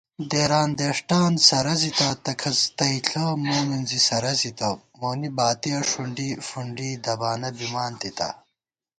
دېران دېݭٹان سرَزِتا، تہ کھس تئیݪہ مو مِنزی سرَزِتہ * مونی باتِیَہ ݭُنڈی فُنڈی دبانہ بِمان تِتا